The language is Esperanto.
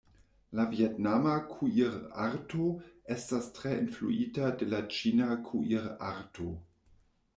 La vjetnama kuirarto estas tre influita de la ĉina kuirarto.